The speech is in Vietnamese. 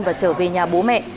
và trở về nhà bố mẹ